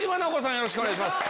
よろしくお願いします。